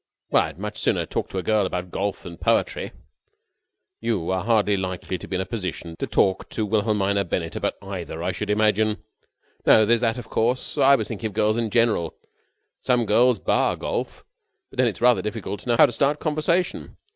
"Well, I'd much sooner talk to a girl about golf than poetry." "You are hardly likely to be in a position to have to talk to Wilhelmina Bennett about either, I should imagine." "No, there's that, of course. I was thinking of girls in general. Some girls bar golf, and then it's rather difficult to know how to start conversation.